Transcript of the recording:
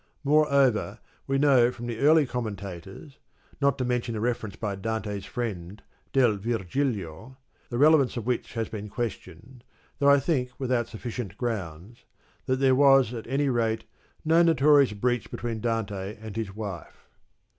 Moreover we know from the early commenta tors (not to mention a reference by Dante's friend, Del Virgilio, the relevance of which has been questioned, though I think without sufficient grounds) that there was at any rate no notorious breach between Dante and his wife.